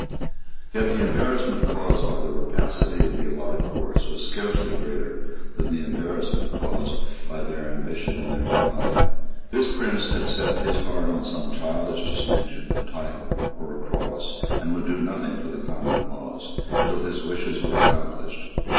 Yet the embarrassment caused by the rapacity of the allied courts was scarcely greater than the embarrassment caused by their ambition and their pride. This prince had set his heart on some childish distinction, a title or a cross, and would do nothing for the common cause till his wishes were accomplished.